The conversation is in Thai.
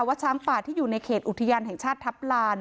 ช้างป่าที่อยู่ในเขตอุทยานแห่งชาติทัพลาน